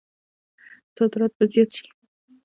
صادرات به زیات شي؟